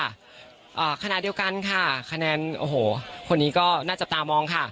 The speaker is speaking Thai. อ่าขณะเดียวกันค่ะคะแนนโอ้โหคนนี้ก็น่าจับตามองค่ะ